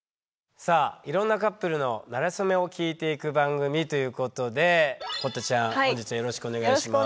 さあいろんなカップルのなれそめを聞いていく番組ということで堀田ちゃん本日はよろしくお願いします。